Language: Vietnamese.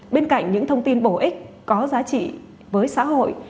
bên cạnh những thông tin bổ ích có giá trị với xã hội